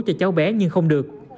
cho cháu bé nhưng không được